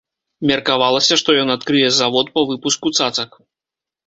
Меркавалася, што ён адкрые завод па выпуску цацак.